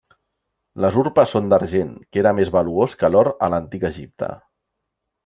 Les urpes són d'argent, que era més valuós que l'or a l'antic Egipte.